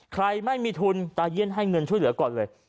ไม่มีทุนตาเยี่ยนให้เงินช่วยเหลือก่อนเลย